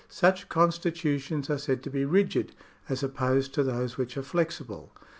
Such constitutions are said to be rigid, as opposed to those which are flexible.